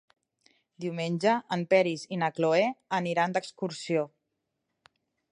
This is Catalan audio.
Diumenge en Peris i na Cloè aniran d'excursió.